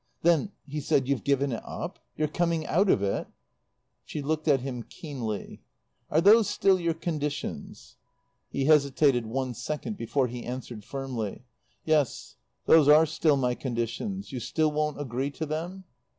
"Then," he said, "you've given it up? You're corning out of it?" She looked at him keenly. "Are those still your conditions?" He hesitated one second before he answered firmly. "Yes, those are still my conditions. You still won't agree to them?"